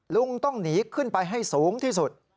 ลุงต้องหนีขึ้นไปให้สูงที่สุด